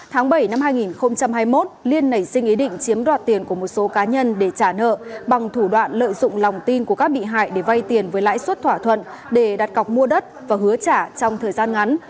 tháng bảy năm hai nghìn hai mươi một liên nảy sinh ý định chiếm đoạt tiền của một số cá nhân để trả nợ bằng thủ đoạn lợi dụng lòng tin của các bị hại để vay tiền với lãi suất thỏa thuận để đặt cọc mua đất và hứa trả trong thời gian ngắn